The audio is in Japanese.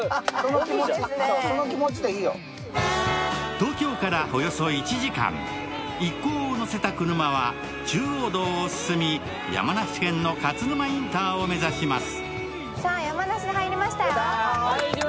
東京からおよそ１時間、一行を乗せた車は中央道を進み、山梨県の勝沼インターを目指します。